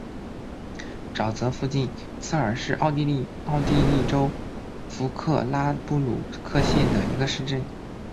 沼泽附近策尔是奥地利上奥地利州弗克拉布鲁克县的一个市镇。